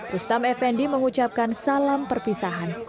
rustam effendi mengucapkan salam perpisahan